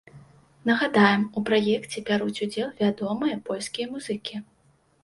Нагадаем, у праекце бяруць удзел вядомыя польскія музыкі.